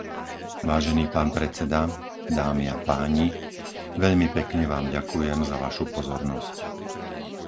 Vážený pán predseda, dámy a páni, veľmi pekne vám ďakujem za vašu pozornosť.